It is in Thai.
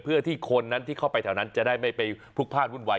เพื่อที่คนนั้นที่เข้าไปแถวนั้นจะได้ไม่ไปพลุกพลาดวุ่นวาย